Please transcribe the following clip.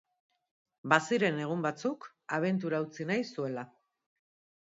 Baziren egun batzuk abentura utzi nahi zuela.